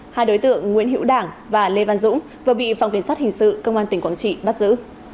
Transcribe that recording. hai đối tượng nguyễn hữu đảng và lê văn dũng vừa bị phòng kiểm soát hình sự công an tỉnh quảng trị bắt giữ